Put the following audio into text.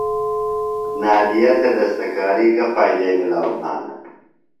نادیہ تھےۡ دستکاری گہ فائدے ملاؤ بھانہ؟